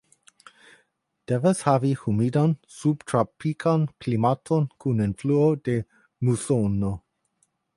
Devas havas humidan subtropikan klimaton kun influo de musono.